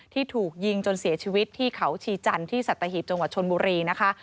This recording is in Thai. ที่ถูกยิงจนเสียชีวิตที่เขาชีจันทร์ที่สัตหีบจังหวัดชนบุรีนะคะ